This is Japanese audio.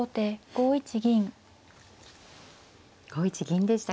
５一銀でした。